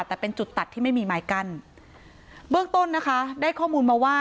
แต่เป็นจุดตัดที่ไม่มีไม้กั้นเบื้องต้นนะคะได้ข้อมูลมาว่า